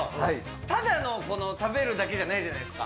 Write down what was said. ただ、この食べるだけじゃないですか。